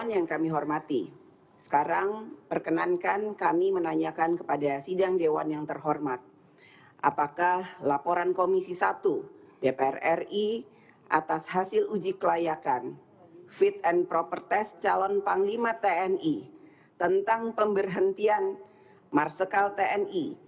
yang kemas k przeciptori nusantara di bandar highly